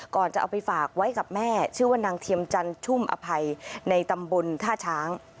จะเอาไปฝากไว้กับแม่ชื่อว่านางเทียมจันชุ่มอภัยในตำบลท่าช้าง